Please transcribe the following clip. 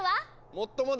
もっともだ！